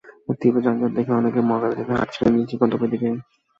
তীব্র যানজট দেখে অনেকেই মহাখালী থেকে হাঁটছিলেন নিজ নিজ গন্তব্যের দিকে।